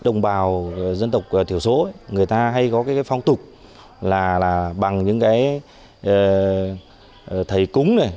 đồng bào dân tộc thiểu số người ta hay có cái phong tục là bằng những cái thầy cúng này